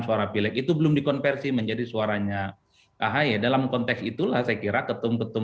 suara pilek itu belum dikonversi menjadi suaranya ahy dalam konteks itulah saya kira ketum ketum